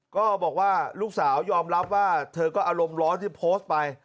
ก็บอกว่าลูกสาวยอมรับว่าเธอก็อารมณ์ร้อนที่โพสต์ไป